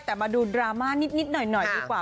แต่มาดูดราม่านิดหน่อยดีกว่า